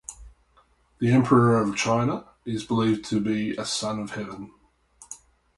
The emperor of China is believed to be a Son of Heaven.